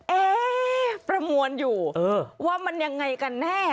เอ๊ะประมวลอยู่ว่ามันยังไงกันแน่